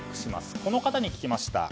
この方に聞きました。